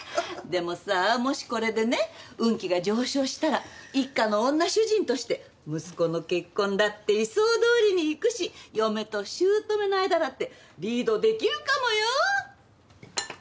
でもさもしこれでね運気が上昇したら一家の女主人として息子の結婚だって理想どおりにいくし嫁と姑の間だってリード出来るかもよ？